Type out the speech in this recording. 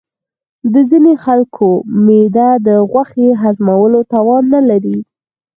د ځینې خلکو معده د غوښې هضمولو توان نه لري.